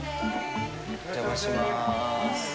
お邪魔しまーす。